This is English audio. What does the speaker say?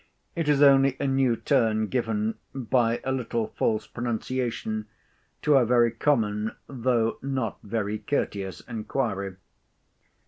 It is only a new turn given, by a little false pronunciation, to a very common, though not very courteous inquiry.